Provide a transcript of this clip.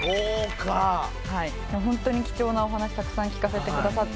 ホントに貴重なお話たくさん聞かせてくださって。